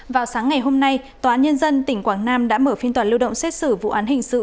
vào sáng ngày hôm nay tòa án nhân dân tỉnh quảng nam đã mở phiên toàn lưu động xét xử vụ án hình sự